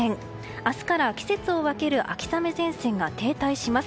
明日から季節を分ける秋雨前線が停滞します。